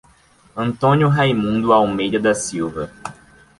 Antônio Raimundo Almeida da Silva